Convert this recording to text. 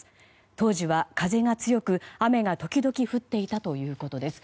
当時は風が強く、雨が時々降っていたということです。